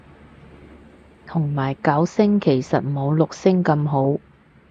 同埋九聲其實冇六聲咁好